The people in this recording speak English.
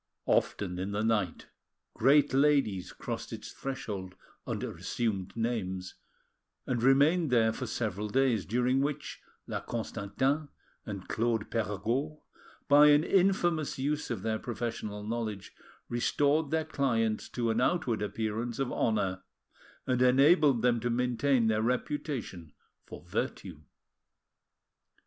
Often in the night great ladies crossed its threshold under assumed names and remained there for several days, during which La Constantin and Claude Perregaud, by an infamous use of their professional knowledge, restored their clients to an outward appearance of honour, and enabled them to maintain their reputation for virtue.